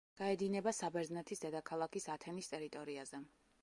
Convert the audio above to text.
გაედინება საბერძნეთის დედაქალაქის ათენის ტერიტორიაზე.